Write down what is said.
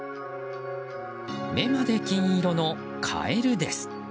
目まで金色のカエルです。